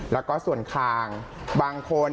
แล้วก็ส่วนคางบางคน